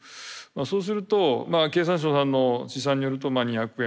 そうすると経産省さんの試算によると２００円